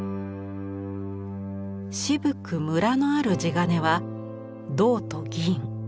渋くむらのある地金は銅と銀